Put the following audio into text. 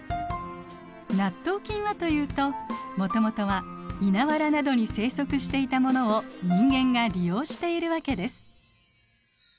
納豆菌はというともともとは稲わらなどに生息していたものを人間が利用しているわけです。